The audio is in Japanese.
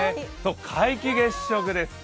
皆既月食です。